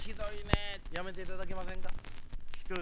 やめていただけませんか？